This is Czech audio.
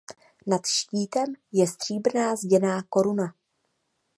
Nad štítem je stříbrná zděná koruna.